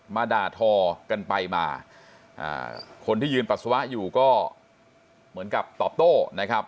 มาด่าทอกันไปมาคนที่ยืนปัสสาวะอยู่ก็เหมือนกับตอบโต้นะครับ